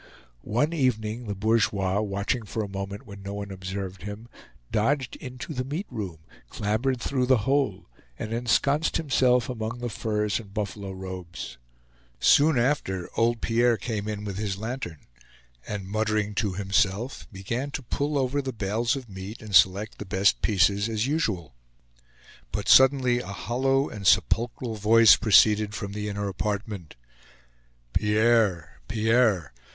One evening the bourgeois, watching for a moment when no one observed him, dodged into the meat room, clambered through the hole, and ensconced himself among the furs and buffalo robes. Soon after, old Pierre came in with his lantern; and, muttering to himself, began to pull over the bales of meat, and select the best pieces, as usual. But suddenly a hollow and sepulchral voice proceeded from the inner apartment: "Pierre! Pierre!